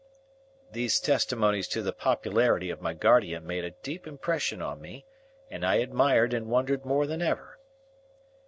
These testimonies to the popularity of my guardian made a deep impression on me, and I admired and wondered more than ever.